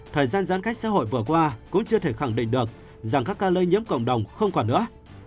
thời gian giãn cách xã hội vừa qua cũng chưa thể khẳng định được rằng các ca lây nhiễm cộng đồng không còn nữa